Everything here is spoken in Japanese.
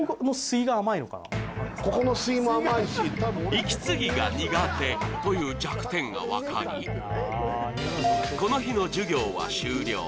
息継ぎが苦手という弱点が分かりこの日の授業は終了。